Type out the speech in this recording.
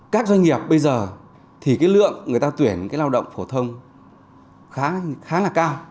các doanh nghiệp bây giờ thì cái lượng người ta tuyển cái lao động phổ thông khá là cao